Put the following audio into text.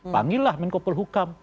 panggillah menko pelhukam